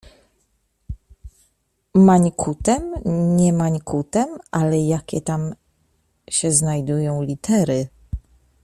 Mańkutem nie mańkutem, ale jakie tam się znajdują litery?